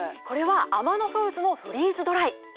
これはアマノフーズのフリーズドライ。